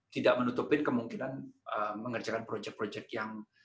tidak menutupin kemungkinan mengerjakan proyek proyek yang